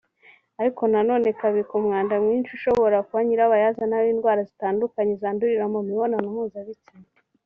ariko nanone kabika umwanda mwinshi ushobora kuba nyirabayazana w’indwara zitandukanye zandurira mu mibonano mpuzabitsina